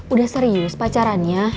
udah serius pacarannya